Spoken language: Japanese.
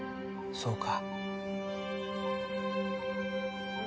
そうか。